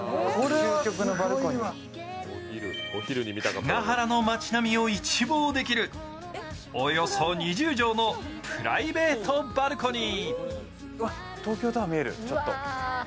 久が原の街並みを一望できる、およそ２０畳のプライベートバルコニー。